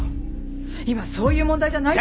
今そういう問題じゃないと。